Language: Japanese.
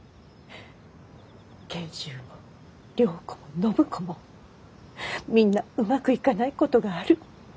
賢秀も良子も暢子もみんなうまくいかないことがある。